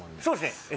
そうですね